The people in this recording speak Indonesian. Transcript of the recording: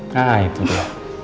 nah itu dia